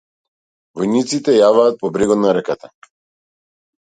Војниците јаваат по брегот на реката.